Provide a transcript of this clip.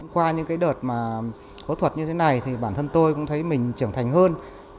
qua những cái đợt mà phẫu thuật như thế này thì bản thân tôi cũng thấy mình trưởng thành hơn